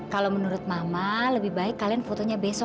kalau menurut mama lebih baik kalian fotonya besok